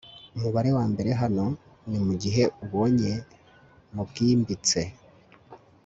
umubare wambere hano, ni mugihe ubonye 'mubwimbitse